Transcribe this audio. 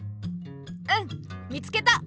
うん見つけた！